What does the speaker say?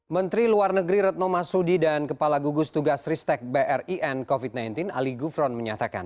menteri luar negeri retno marsudi dan kepala gugus tugas ristek brin covid sembilan belas ali gufron menyatakan